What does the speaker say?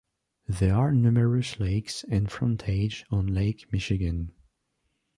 There are numerous lakes and frontage on Lake Michigan.